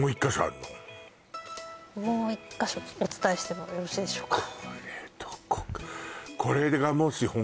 もう１か所お伝えしてもよろしいでしょうか？